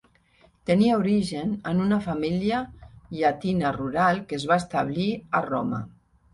Tenia origen en una família llatina rural que es va establir a Roma.